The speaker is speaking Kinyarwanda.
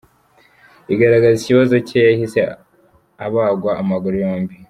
com igaragaza ikibazo cye yahise abagwa amaguru yombi.